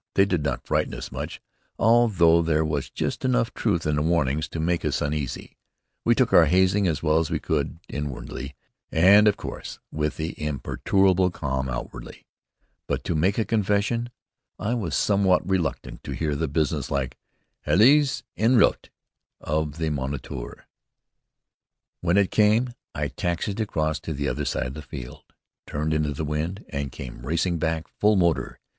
They did not frighten us much, although there was just enough truth in the warnings to make us uneasy. We took our hazing as well as we could inwardly, and of course with imperturbable calm outwardly; but, to make a confession, I was somewhat reluctant to hear the businesslike "Allez! en route!" of our moniteur. When it came, I taxied across to the other side of the field, turned into the wind, and came racing back, full motor.